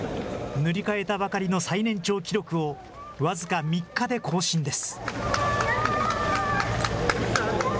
塗り替えたばかりの最年長記録を僅か３日で更新です。